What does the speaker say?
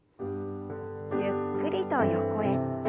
ゆっくりと横へ。